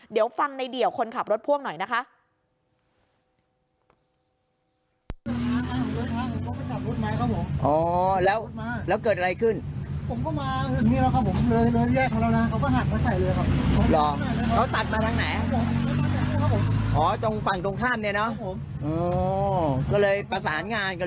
เดี๋ยวฟังในเดี่ยวคนขับรถพ่วงหน่อยนะคะ